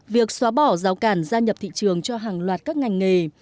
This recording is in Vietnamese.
việc xóa bỏ rào cản gia nhập thị trường cho hàng loạt các ngành nghề